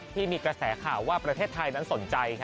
ที่มีกระแสข่าวว่าประเทศไทยนั้นสนใจ